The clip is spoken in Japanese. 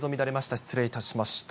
失礼いたしました。